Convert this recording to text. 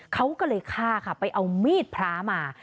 เขาก็เลยฆ่าค่ะไปเอามีดพระมา